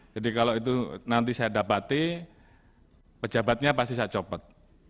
jadi kalau itu nanti saya dapati pejabatnya pasti saya copot